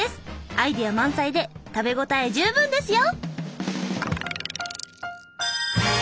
アイデア満載で食べ応え十分ですよ。